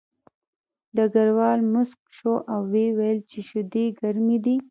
ډګروال موسک شو او ویې ویل چې شیدې ګرمې دي